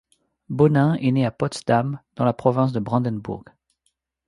Bonin est né à Potsdam, dans la province de Brandenburg.